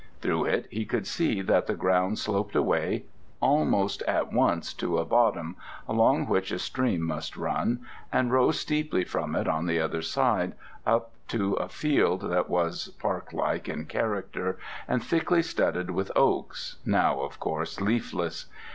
Through it he could see that the ground sloped away almost at once to a bottom, along which a stream must run, and rose steeply from it on the other side, up to a field that was park like in character, and thickly studded with oaks, now, of course, leafless.